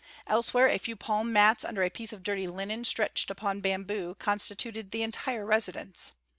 Elsewhere a few palm mats under a piece of dirty linen stretched upon bamboo constituted the entire residence.